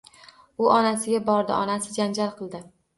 U onasiga bordi, onasi janjal qildi